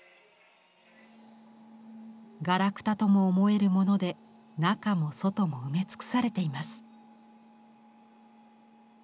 ガラクタとも思えるもので中も外も埋め尽くされています。